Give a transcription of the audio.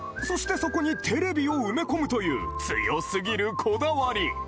そしてそこにテレビを埋め込むという、強すぎるこだわり。